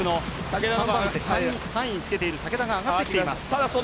３位につけている竹田が上がってきています。